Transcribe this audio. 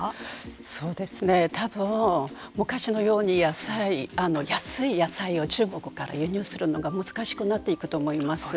そうですね、多分昔のように安い野菜を中国から輸入するのが難しくなっていくと思います。